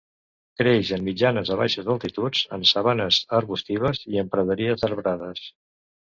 Creix en mitjanes a baixes altituds, en sabanes arbustives i en praderies arbrades.